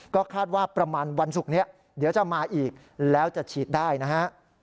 ก็คาดว่าประมาณวันศุกร์นี้เดี๋ยวจะมาอีกแล้วจะฉีดได้นะฮะ